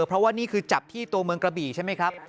เพราะว่านี่คือจับที่ตัวเมืองกระบี่ใช่ไหมครับ